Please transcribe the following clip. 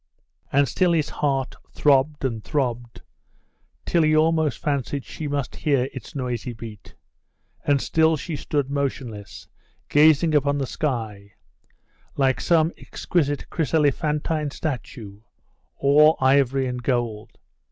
And still his heart throbbed and throbbed, till he almost fancied she must hear its noisy beat and still she stood motionless, gazing upon the sky, like some exquisite chryselephantine statue, all ivory and gold.